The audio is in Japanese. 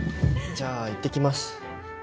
じゃあいってきます。